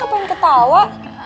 apa yang ketawa